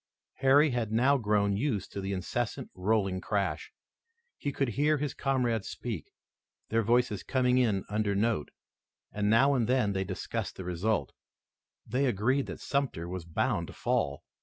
Harry had now grown used to this incessant, rolling crash. He could hear his comrades speak, their voices coming in an under note, and now and then they discussed the result. They agreed that Sumter was bound to fall.